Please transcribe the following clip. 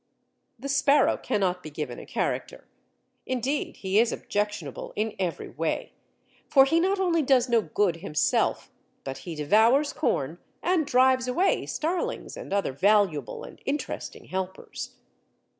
The sparrow cannot be given a character. Indeed, he is objectionable in every way, for he not only does no good himself, but he devours corn and drives away starlings and other valuable and interesting helpers.